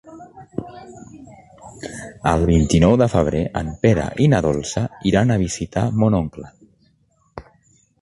El vint-i-nou de febrer en Pere i na Dolça iran a visitar mon oncle.